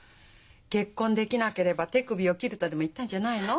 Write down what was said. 「結婚できなければ手首を切る」とでも言ったんじゃないの？